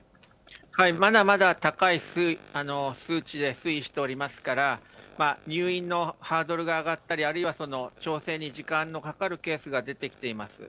まだまだ高い数値で推移しておりますから、入院のハードルが上がったり、あるいは調整に時間のかかるケースが出てきています。